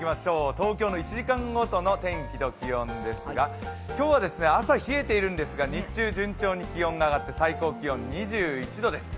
東京の１時間ごとの天気と気温ですが、今日は朝、冷えているんですが日中、順調に気温が上がって最高気温２１度です。